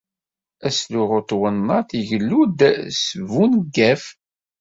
Asluɣu n twennaṭ igellu-d s buneggaf.